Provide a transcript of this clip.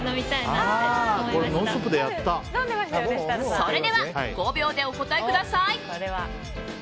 それでは５秒でお答えください。